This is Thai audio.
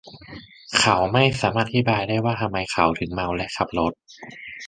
เขาไม่สามารถอธิบายได้ว่าทำไมเขาถึงเมาและขับรถ